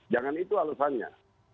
jangan itu alasannya